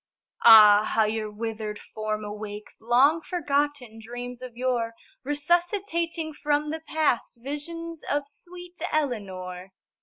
Ah, how your withered form awakes Long forgotten dreams of yore Resuscitating from the past Visions of sweet Eleanor!